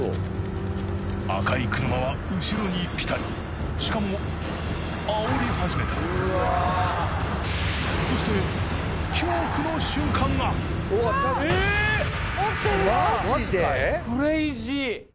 赤い車は後ろにピタリしかもあおり始めたそしてマジで！？